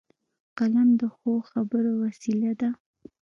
قلم د ښو خبرو وسیله ده